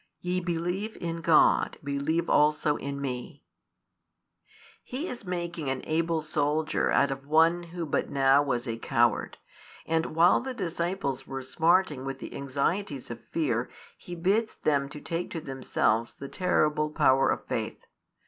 Ye believe in God, believe also in Me. He is making an able soldier out of one who but now |233 was a coward, and while the disciples were smarting with the anxieties of fear He bids them take to themselves the terrible power of faith.